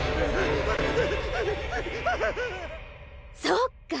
そっか！